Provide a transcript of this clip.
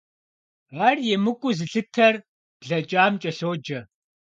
Ар емыкӀуу зылъытэр блэкӀам кӀэлъоджэ.